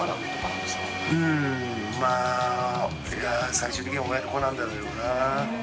最終的には親と子なんだろうけどな。